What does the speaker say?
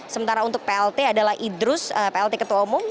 sementara untuk plt adalah idrus plt ketua umum